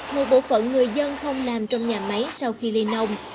một bộ phận người dân không làm trong nhà máy sau khi ly nông